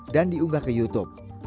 dan diunggah ke youtube